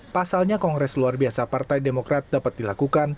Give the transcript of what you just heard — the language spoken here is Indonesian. pasalnya kongres luar biasa partai demokrat dapat dilakukan